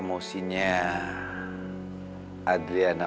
gue orang orang kepala